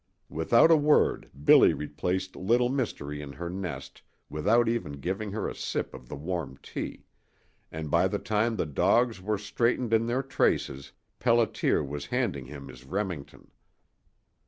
Without a word Billy replaced Little Mystery in her nest without even giving her a sip of the warm tea, and by the time the dogs were straightened in their traces Pelliter was handing him his Remington.